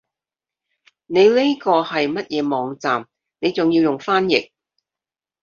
你呢個係乜嘢網站你仲要用翻譯